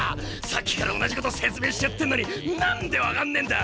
さっきから同じこと説明してやってんのに何で分かんねえんだ！